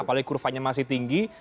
apalagi kurvanya masih tinggi